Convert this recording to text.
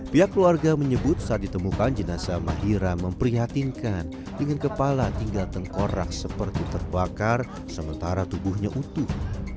pihak keluarga menyebut saat ditemukan jenasa mahira memprihatinkan dengan kepala tinggal tengkorak seperti terbakar sementara tubuhnya utuh